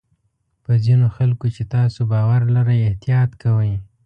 په ځینو خلکو چې تاسو باور لرئ احتیاط کوئ.